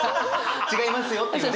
違いますよっていうね。